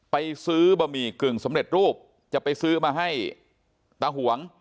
ไปซื้อบะหมี่กึ่งสำเร็จรูปจะไปซื้อมาให้ตาหวง